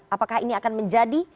apakah ini akan menjadi